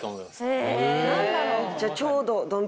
じゃちょうど。